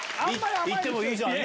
行ってもいいじゃんね！